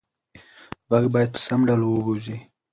غږ باید په سم ډول ووځي.